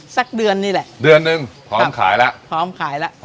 สักเดือนนี่แหละเดือนหนึ่งพร้อมขายแล้วพร้อมขายแล้ว